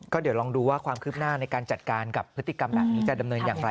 เดี๋ยวลองดูว่าความคืบหน้าในการจัดการกับพฤติกรรมแบบนี้จะดำเนินอย่างไร